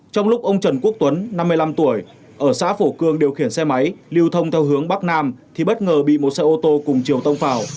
trong lúc ông trần quốc tuấn năm mươi năm tuổi ở xã phổ cường điều khiển xe máy lưu thông theo hướng bắc nam thì bất ngờ bị một xe ô tô cùng chiều tông vào